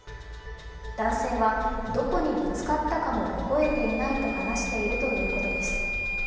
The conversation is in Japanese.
男性はどこにぶつかったかも覚えていないと話しているということです。